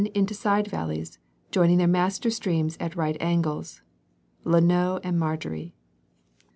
205 into side valleys, joining their master streams at right angles (La ISToe and Margerie).